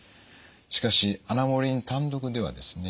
しかしアナモレリン単独ではですね